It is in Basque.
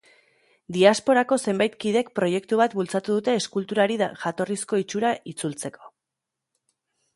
Diasporako zenbait kidek proiektu bat bultzatu dute eskulturari jatorrizko itxura itzutzeko.